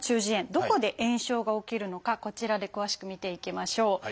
どこで炎症が起きるのかこちらで詳しく見ていきましょう。